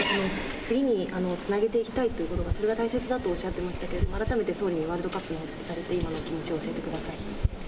次につなげていきたいということが、それが大切だとおっしゃっていましたけれども、改めて今のお気持ちを教えてください。